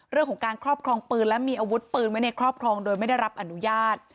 เรื่องของการครอบครองปืนและมีอาวุธปืนไว้ในครอบครองโดยไม่ได้รับอนุญาต